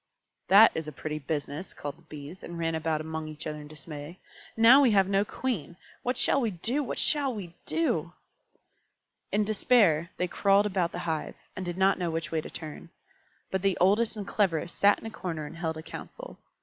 "That is a pretty business!" called the Bees, and ran about among each other in dismay. "Now we have no Queen! What shall we do? What shall we do?" In despair they crawled about the hive, and did not know which way to turn. But the oldest and cleverest sat in a corner and held a council.